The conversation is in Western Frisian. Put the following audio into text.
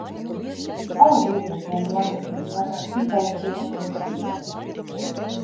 Alle doelgroepen en belangegroepen moatte aktyf by it projekt belutsen wurde.